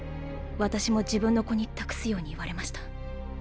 私も自分の子に託すように言われました。